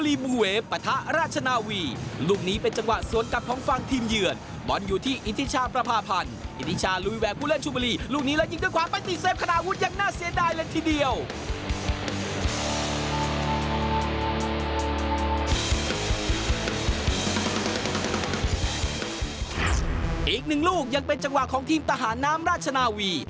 อีกหนึ่งลูกยังเป็นจังหวะของทีมทหารน้ำราชนาวี